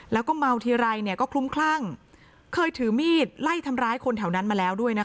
แล้วก็เมาทีไรเนี่ยก็คลุ้มคลั่งเคยถือมีดไล่ทำร้ายคนแถวนั้นมาแล้วด้วยนะคะ